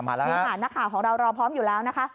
มาแล้วครับนี่ค่ะนักข่าวของเรารอพร้อมอยู่แล้วนะคะ